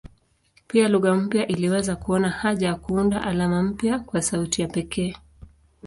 Pia lugha mpya iliweza kuona haja ya kuunda alama mpya kwa sauti ya pekee.